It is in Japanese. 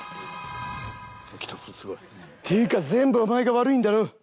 っていうかぜーんぶお前が悪いんだろ！